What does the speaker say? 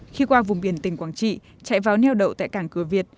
khi qua vùng biển tỉnh quảng trị chạy vào neo đậu tại cảng cửa việt